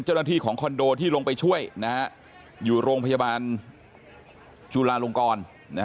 เจ้าหน้าที่ของคอนโดที่ลงไปช่วยอยู่โรงพยาบาลจุลาลงกร